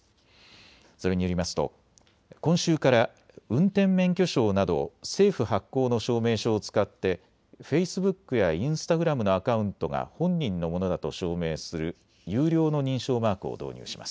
それによりますと今週から運転免許証など政府発行の証明書を使ってフェイスブックやインスタグラムのアカウントが本人のものだと証明する有料の認証マークを導入します。